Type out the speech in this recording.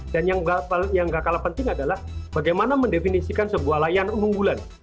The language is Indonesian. dan yang gak kalah penting adalah bagaimana mendefinisikan sebuah layanan unggulan